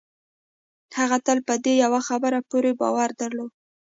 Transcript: هغه تل په دې يوه خبره پوره باور درلود.